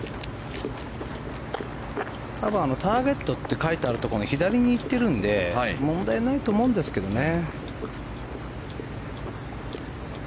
ターゲットって書いてるところの左に行っているので問題ないと思うんですけどね。